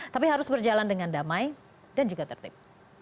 tapi harus berjalan dengan damai dan juga tertib